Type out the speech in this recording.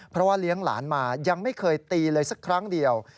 เพราะว่าเลี้ยงหลานมายังไม่เคยตีเลยสักครั้งเดียว